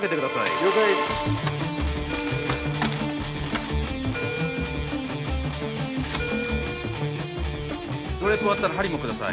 了解ドレープ終わったら針もください